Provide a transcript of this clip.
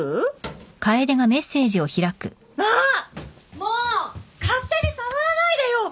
もう勝手に触らないでよ！